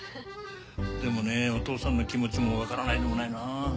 でもねお父さんの気持ちもわからないでもないなぁ。